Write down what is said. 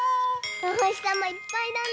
おほしさまいっぱいだね。